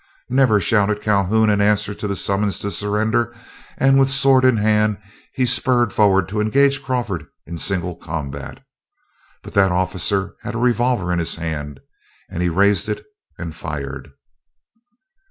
"Never!" shouted Calhoun, in answer to the summons to surrender, and with sword in hand, he spurred forward to engage Crawford in single combat. But that officer had a revolver in his hand, and he raised it and fired.